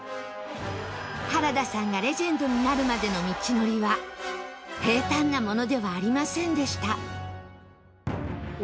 原田さんがレジェンドになるまでの道のりは平たんなものではありませんでした